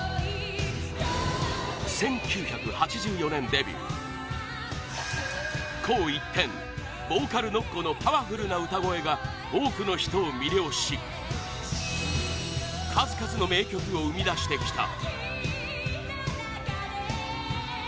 デビュー紅一点、ボーカル ＮＯＫＫＯ のパワフルな歌声が多くの人を魅了し数々の名曲を生み出してきた